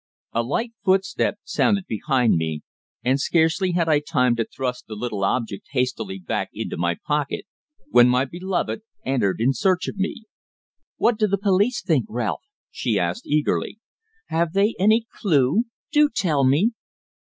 A light footstep sounded behind me, and scarcely had I time to thrust the little object hastily back into my pocket when my well beloved entered in search of me. "What do the police think, Ralph?" she asked eagerly. "Have they any clue? Do tell me."